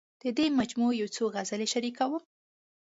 د دې مجموعې یو څو غزلې شریکوم.